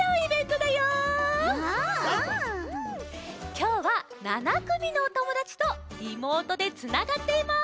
きょうは７くみのおともだちとリモートでつながっています！